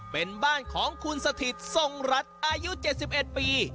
เป็นบ้านของคุณสถิตทรงรัฐอายุ๗๑ปี